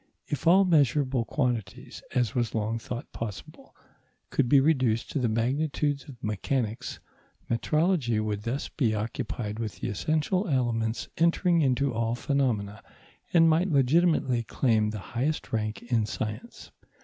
If all measurable quantities, as was long thought possible, could be reduced to the magnitudes of mechanics, metrology would thus be occupied with the essential elements entering into all phenomena, and might legitimately claim the highest rank in science.